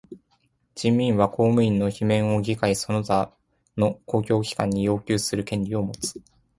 人民は公務員の罷免を議会その他の公共機関に要求する権利をもつ。